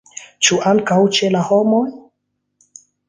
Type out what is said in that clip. Ĉu ankaŭ ĉe la homoj?